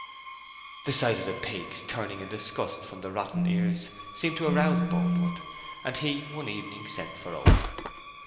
The sight of the pigs turning in disgust from the rotten ears seemed to arouse Boldwood, and he one evening sent for Oak.